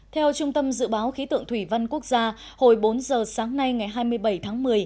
theo trung tâm dự báo khí tượng thủy văn quốc gia hồi bốn giờ sáng nay ngày hai mươi bảy tháng một mươi